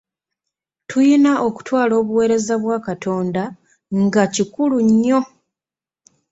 Tuyina okutwala obuweereza bwa Katonda nga kikulu nnyo.